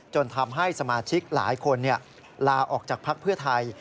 จนทำให้สมาชิกหลายคนลาออกจากภักดิ์เพื่อไทย